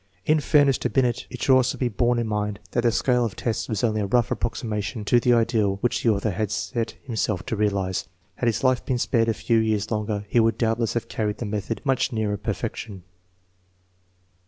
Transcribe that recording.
1 In fairness to Binet, it should also be borne in mind that the scale of tests was only a rough approximation to the ideal which the author had set himself to realize. Had his life been spared a few years longer, he would doubtless have carried the method much nearer perfection.